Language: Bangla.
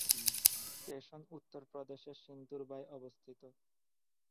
স্টেশন উত্তর প্রদেশের সিন্দুরবায় অবস্থিত।